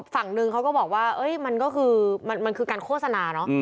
ฝั่งหนึ่งเขาก็บอกว่ามันก็คือมันคือการโฆษณาเนอะ